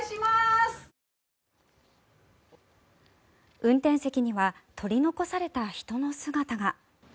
運転席には取り残された人の姿が。